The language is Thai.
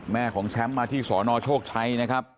แม่ของแชมป์มาที่สนโชคชัยนะครับ